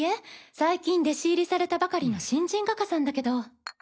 最近弟子入りされたばかりの新人画家さんだけど。